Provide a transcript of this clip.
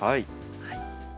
はい。